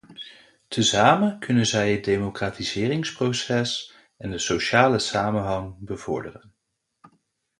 Tezamen kunnen zij het democratiseringsproces en de sociale samenhang bevorderen.